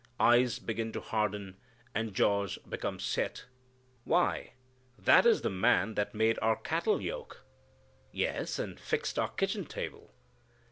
Eyes begin to harden and jaws become set. "Why, that is the man that made our cattle yoke." "Yes, and fixed our kitchen table."